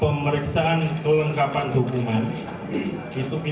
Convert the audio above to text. yang diperiksa dan diperiksa dari tujuh belas partai lainnya hingga tujuh belas oktober